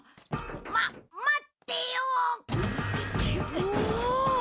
ま待ってよ。